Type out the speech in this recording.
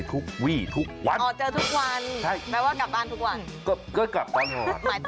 โอ้โหโอ้โห